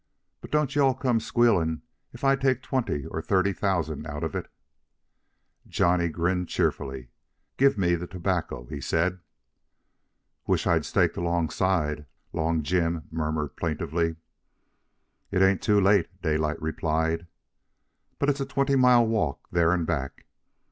"But don't you all come squealing if I take twenty or thirty thousand out of it." Johnny grinned cheerfully. "Gimme the tobacco," he said. "Wish I'd staked alongside," Long Jim murmured plaintively. "It ain't too late," Daylight replied. "But it's a twenty mile walk there and back."